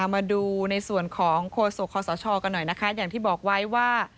มาดูในส่วนของโฆษกคอสชกันหน่อยนะคะอย่างที่บอกไว้ว่า